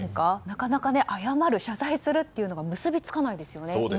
なかなか謝る謝罪するというのが結びつきませんよね。